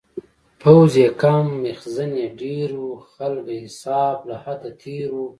پوځ یې کم میخزن یې ډیر و-خلکه حساب له حده تېر و